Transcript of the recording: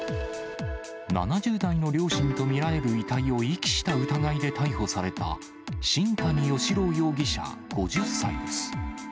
７０代の両親と見られる遺体を遺棄した疑いで逮捕された、新谷嘉朗容疑者５０歳です。